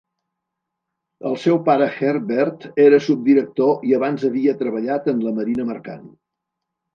El seu pare Herbert era subdirector i abans havia treballat en la marina mercant.